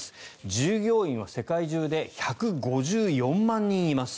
従業員は世界中で１５４万人います。